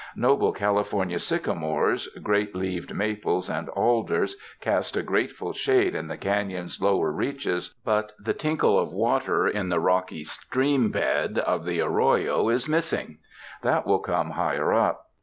Noble California sycamores, great leaved maples and alders cast a grateful shade in the canon's lower reaches, but the tinkle of water in the rocky stream bed of the arroyo is missing. That will come higher up.